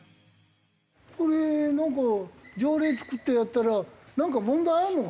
これ条例作ってやったらなんか問題あるのかね？